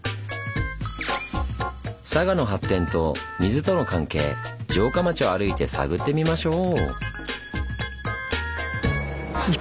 佐賀の発展と水との関係城下町を歩いて探ってみましょう！